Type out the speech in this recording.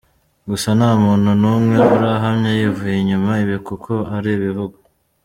Gusa, nta muntu n’umwe urahamya yivuye inyuma ibi, kuko ari ibivugwa.